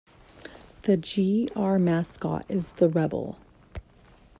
The G-R mascot is the Rebel.